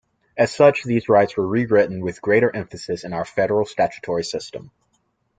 As such, these rights were rewritten with greater emphasis in our federal statutory system.